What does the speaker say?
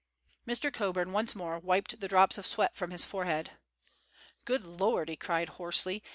Mr. Coburn once more wiped the drops of sweat from his forehead. "Good lord!" he cried hoarsely.